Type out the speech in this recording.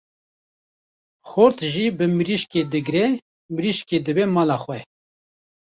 Xort jî bi mirîşkê digre, mirîşkê dibe mala xwe.